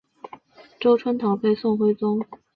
周春桃被宋徽宗授为才人之位。